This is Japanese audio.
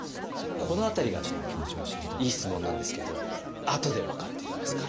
この辺りがねいい質問なんですけどあとで分かってきますから。